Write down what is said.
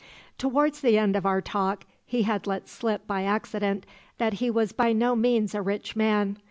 "Towards the end of our talk he had let slip by accident that he was by no means a rich man.